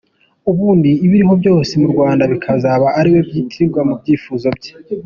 Ubundi ibiriho byose mu Rwanda bikazaba ariwe byitirirwa, mu byifuzo bye.